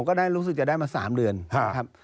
ก็ได้รู้สึกจะได้มา๓เดือนนะครับ